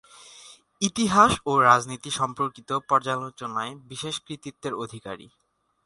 ইতিহাস ও রাজনীতি সম্পর্কিত পর্যালোচনায় বিশেষ কৃতিত্বের অধিকারী।